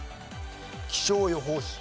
気象予報士。